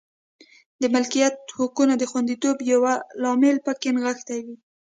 د ملکیت حقونو د خوندیتوب یو لامل په کې نغښتې وې.